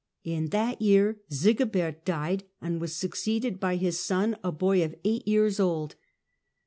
In that year Sigibert died, and was succeeded by his son, a boy of eight years old.